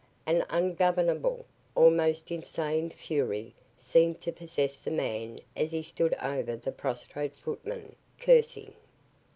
An ungovernable, almost insane fury seemed to possess the man as he stood over the prostrate footman, cursing.